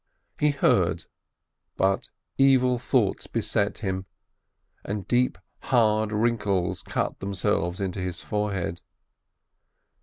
He heard, but evil thoughts beset him, and deep, hard wrinkles cut themselves into his forehead.